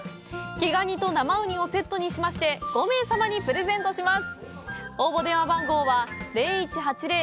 「毛ガニと生うに」をセットにしまして５名様にプレゼントします。